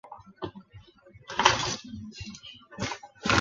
家麻雀的原产地在欧洲及亚洲的大部份区域。